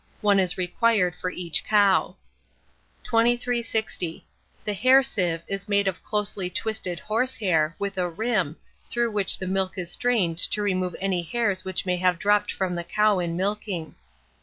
One is required for each cow. 2360. The Hair Sieve is made of closely twisted horse hair, with a rim, through which the milk is strained to remove any hairs which may have dropped from the cow in milking.